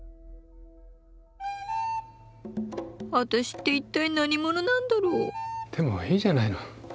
私って一体何者なんだろう？でもいいじゃないの。